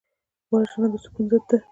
وژنه د سکون ضد ده